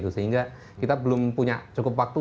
sehingga kita belum punya cukup waktu